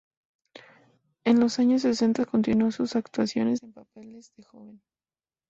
En los años sesenta continuó sus actuaciones en papeles de joven.